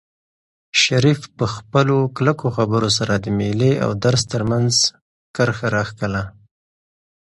شریف په خپلو کلکو خبرو سره د مېلې او درس ترمنځ کرښه راښکله.